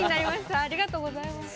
ありがとうございます。